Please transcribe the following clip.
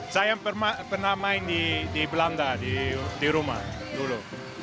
saya pernah main di belanda di rumah dulu